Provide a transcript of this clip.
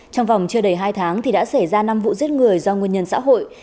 trong vòng chưa đầy hai tháng thì đã xảy ra năm vụ giết người do nguyên nhân xã hội